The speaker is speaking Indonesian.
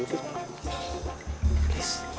pinjam uang kamu dulu fik